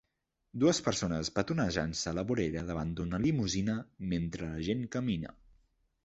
Dues persones petonejant-se a la vorera davant d'una limusina mentre la gent camina.